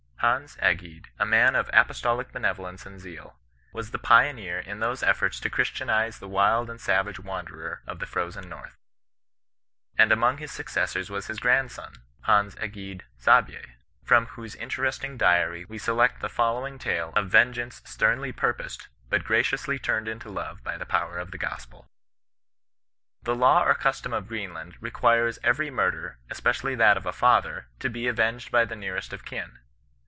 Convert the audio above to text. Hans Egede, a man of stpostolic beneyolenoe and zeal, was the pioneer in those efforts to Christianize the wild and savage wanderer of the frozen north ; and among his successors was his grandson, Hans Egede Saabye, from whose interesting diary we select the fol lowing tale of vengeance sternly purposed, but graciously turned into love by the power of the gospel. " The law or custom of Greenland requires eveiy mur der, especially that of a father, to be avenged by the nearest of kin.